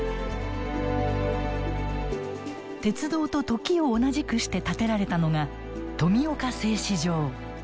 鉄道と時を同じくして建てられたのが富岡製糸場。